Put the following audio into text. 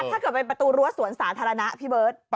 ถ้าเกิดเป็นประตูรั้วสวนสาธารณะพี่เบิร์ต